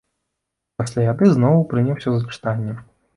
Пасля яды зноў прыняўся за чытанне.